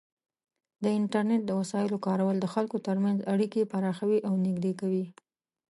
د انټرنیټ د وسایلو کارول د خلکو ترمنځ اړیکې پراخوي او نږدې کوي.